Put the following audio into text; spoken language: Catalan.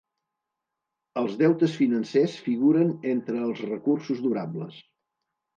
Els deutes financers figuren entre els recursos durables.